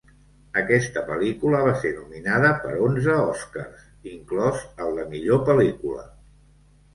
Aquesta pel·lícula va ser nominada per onze Oscars, inclòs el de Millor Pel·lícula.